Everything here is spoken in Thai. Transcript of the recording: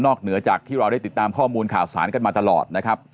เหนือจากที่เราได้ติดตามข้อมูลข่าวสารกันมาตลอดนะครับ